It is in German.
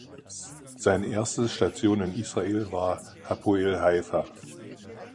Seine erste Station in Israel war Hapoel Haifa.